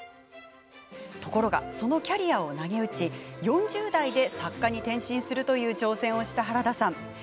ところがそのキャリアをなげうち４０代で作家に転身するという挑戦をした原田さん。